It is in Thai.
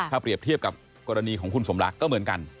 ถ้าเปรียบเทียบกับกรณีของคุณสมรักก็เหมือนกัน